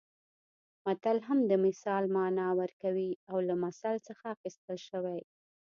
متل هم د مثال مانا ورکوي او له مثل څخه اخیستل شوی